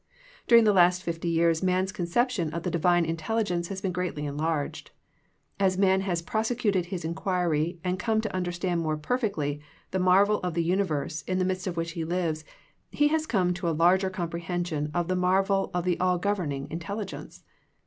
During the last fifty years man's conception of the divine intelligence has been greatly enlarged. As man has prosecuted his inquiry and come to under stand more perfectly the marvel of the universe m the midst of which he lives, he has come to a larger comprehension of the marvel of the all governing intelligence.